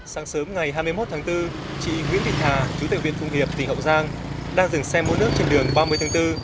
sáng sớm ngày hai mươi một tháng bốn chị nguyễn vịnh hà chủ tịch huyện phụng hiệp tỉnh hậu giang đang dừng xe mua nước trên đường ba mươi tháng bốn